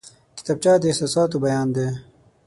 کتابچه د احساساتو بیان دی